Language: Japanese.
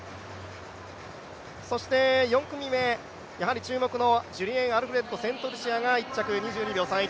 そして、４組目、やはり注目のジュリエン・アルフレッドセントルシアが１着、２２秒３１。